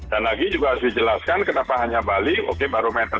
dan lagi juga harus dijelaskan kenapa hanya bali oke baru menteri